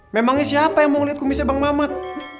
memangnya siapa yang mau lihat kumisnya bang mamat